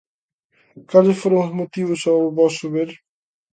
Cales foron os motivos ao voso ver?